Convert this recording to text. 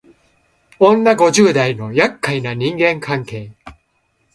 女五十代のやっかいな人間関係